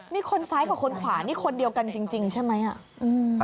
นี่คนซ้ายกับคนขวานี่คนเดียวกันจริงใช่ไหมอ่ะอืม